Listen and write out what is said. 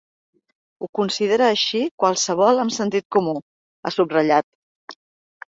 “Ho considera així qualsevol amb sentit comú”, ha subratllat.